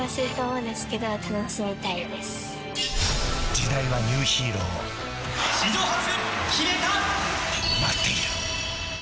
時代はニューヒーローを待っている。